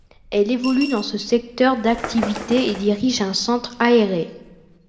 Elle évolue dans ce secteur d'activité et dirige un centre aéré.